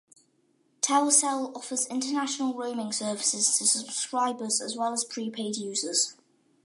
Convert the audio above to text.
Telcel offers international roaming services to subscribers as well as pre-paid users.